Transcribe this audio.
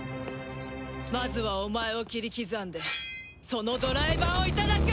まずはお前を切り刻んでそのドライバーをいただく！